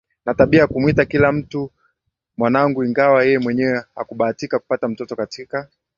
na tabia ya kumwita kila mtu mwanangu ingawa yeye mwenyewe hakubahatika kupata mtoto Katika